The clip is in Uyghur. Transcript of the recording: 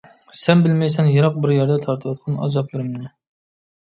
سەن بىلمەيسەن يىراق بىر يەردە تارتىۋاتقان ئازابلىرىمنى.